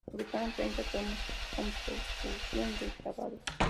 Se publicaron treinta tomos, con profusión de grabados.